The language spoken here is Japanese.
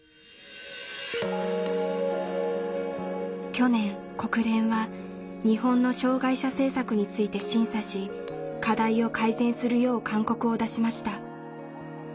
去年国連は日本の障害者政策について審査し課題を改善するよう勧告を出しました。